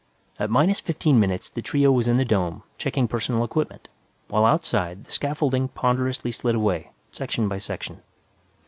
At minus fifteen minutes, the trio was in the dome, checking personal equipment, while outside, the scaffolding ponderously slid away, section by section.